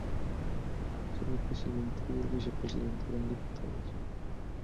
Solo el presidente y el vicepresidente eran diputados.